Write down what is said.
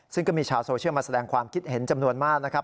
ซึ่งก็มีชาวโซเชียลมาแสดงความคิดเห็นจำนวนมากนะครับ